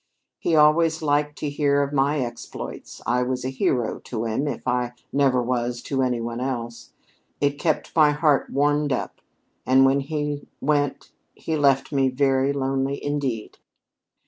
He always liked to hear of my exploits. I was a hero to him, if I never was to any one else. It kept my heart warmed up, and when he went he left me very lonely, indeed."